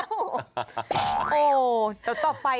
โอ้ต่อไปจะไปมดอะไรเนี่ย